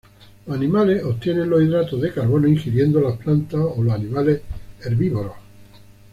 Los animales obtienen los hidratos de carbono ingiriendo las plantas o los animales herbívoros.